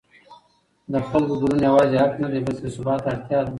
د خلکو ګډون یوازې حق نه دی بلکې د ثبات اړتیا ده